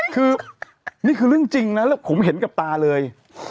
คือนี่คือเรื่องจริงนะแล้วผมเห็นกับตาเลย